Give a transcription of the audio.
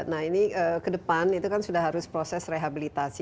nah ini ke depan itu kan sudah harus proses rehabilitasi